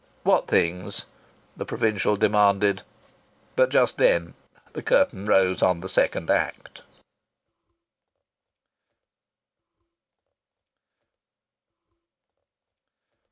"What things?" the provincial demanded. But just then the curtain rose on the second act.